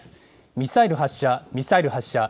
ミサイル発射、ミサイル発射。